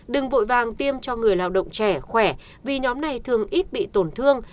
đừng vội vàng tiêm cho người lao động trẻ khỏe vì nhóm này thường ít bị tổn thương